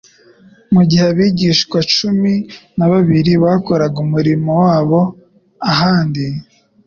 Mu gihe abigishwa cumi na babiri bakoraga umurimo wa bo ahandi,